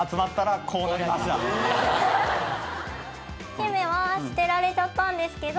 ヒメは捨てられちゃったんですけど。